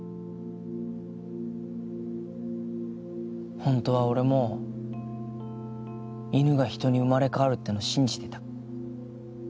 ホントは俺も犬が人に生まれ変わるっての信じてた。